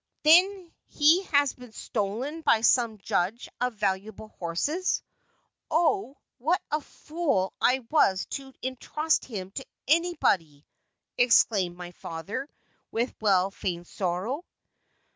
Then he has been stolen by some judge of valuable horses. Oh, what a fool I was to intrust him to anybody!" exclaimed my father, with well feigned sorrow.